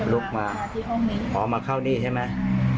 ลุกมาอ๋อมาเข้านี่ใช่ไหม